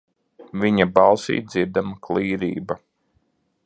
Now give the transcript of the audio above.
Viņa balsī dzirdama klīrība.